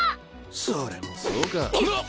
それもそうかわっ！